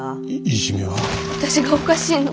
私がおかしいの。